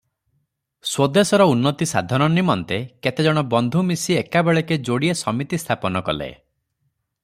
ସ୍ୱଦେଶର ଉନ୍ନତି ସାଧନ ନିମନ୍ତେ କେତେଜଣ ବନ୍ଧୁ ମିଳି ଏକାବେଳକେ ଯୋଡ଼ିଏ ସମିତି ସ୍ଥାପନ କଲେ ।